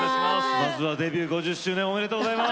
まずはデビュー５０周年おめでとうございます。